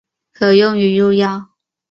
可用于入药。